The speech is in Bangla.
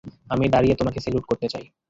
আমি দাঁড়িয়ে তোমাকে স্যালুট করতে চাই!